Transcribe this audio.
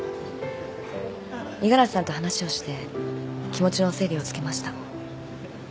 五十嵐さんと話をして気持ちの整理をつけました。